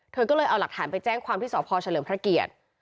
เธอก็เลยเอาหลักฐานไปแจ้งความที่สพเฉลิมพระเกียรติ